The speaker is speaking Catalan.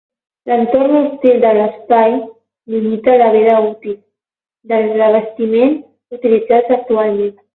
L'entorn hostil de l'espai limita la vida útil dels revestiments utilitzats actualment.